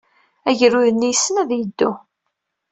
Agrud-nni yessen ad yeddu.